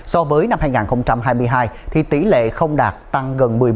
so với năm hai nghìn hai mươi hai tỷ lệ không đạt tăng gần một mươi một